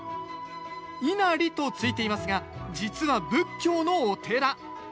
稲荷と付いてますが実は仏教のお寺。